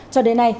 cho đến nay